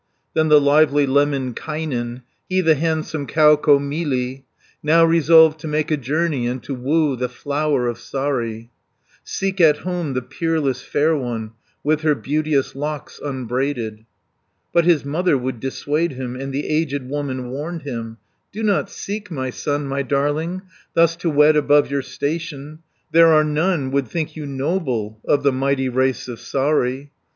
60 Then the lively Lemminkainen, He the handsome Kaukomieli, Now resolved to make a journey And to woo the Flower of Saari, Seek at home the peerless fair one, With her beauteous locks unbraided. But his mother would dissuade him, And the aged woman warned him: "Do not seek, my son, my darling, Thus to wed above your station. 70 There are none would think you noble Of the mighty race of Saari."